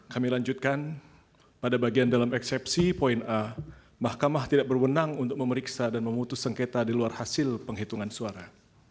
kami lanjutkan pada bagian dalam eksepsi poin a mahkamah tidak berwenang untuk memeriksa dan memutus sengketa di luar hasil penghitungan suara